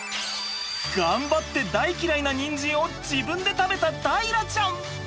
頑張って大嫌いなニンジンを自分で食べた大樂ちゃん！